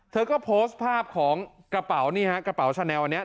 เธอก็โพสต์ภาพของกระเป๋านี่ฮะกระเป๋าชาแนลอันนี้